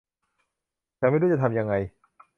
ฉันไม่รู้จะทำยังไง